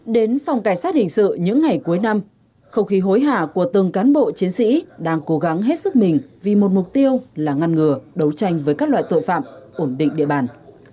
đến phòng cảnh sát hình sự những ngày cuối năm không khí hối hả của từng cán bộ chiến sĩ đang cố gắng hết sức mình vì một mục tiêu là ngăn ngừa đấu tranh với các loại tội phạm ổn định địa bàn